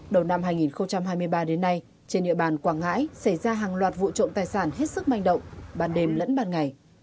đầu năm hai nghìn hai mươi ba đến nay trên địa bàn quảng ngãi xảy ra hàng loạt vụ trộm tài sản hết sức manh động ban đêm lẫn ban ngày